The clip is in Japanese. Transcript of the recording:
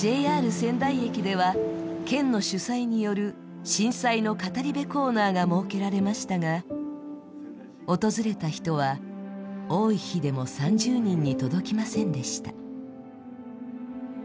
仙台駅では県の主催による「震災の語り部コーナー」が設けられましたが、訪れた人は多い日でも３０人に届きませんでした。